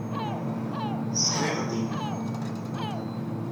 Sɣiɣ-d imru.